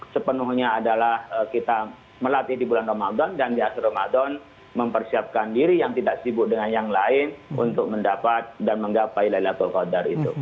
sepenuhnya adalah kita melatih di bulan ramadan dan di akhir ramadan mempersiapkan diri yang tidak sibuk dengan yang lain untuk mendapat dan menggapai laylatul qadar itu